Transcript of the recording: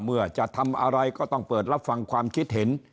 จะทำอะไรก็ต้องเปิดรับฟังความคิดเห็น